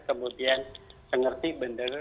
kemudian mengerti benar